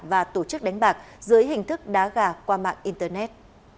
và tổ chức đánh bạc dưới hình thức đá gà qua mạng internet